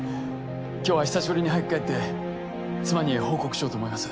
今日は久しぶりに早く帰って妻に報告しようと思います。